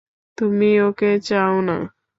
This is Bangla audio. তুমি ওকে চাউ না?